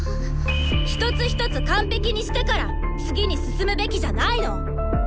一つ一つ完璧にしてから次に進むべきじゃないの！？